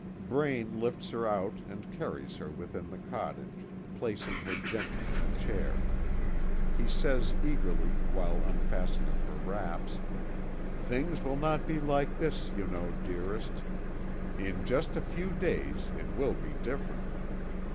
Braine lifts her out and carries her within the cottage, placing her gently in a chair. He says eagerly, while unfastening her wraps: "Things will not be like this, you know, dearest. In just a few days it will be different."